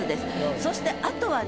そしてあとはね